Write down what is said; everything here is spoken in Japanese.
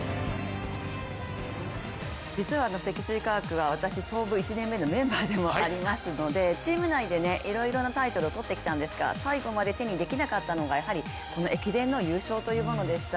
実は積水化学は、私、創部１年目のメンバーでもあるのでチーム内でいろいろなタイトルを取ってきたんですが、最後まで手にできなかったのがこの駅伝の優勝でした。